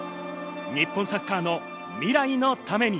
日本サッカーの未来のために。